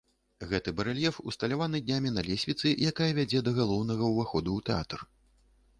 Гэты барэльеф усталяваны днямі на лесвіцы, якая вядзе да галоўнага ўваходу ў тэатр.